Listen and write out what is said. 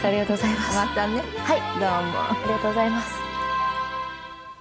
ありがとうございます。